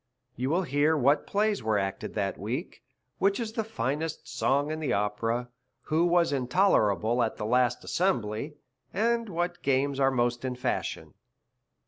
You will hear what plays were acted that week, which is the finest song in the opera, who was intoler able at the last assembly, and what games are most in fashion.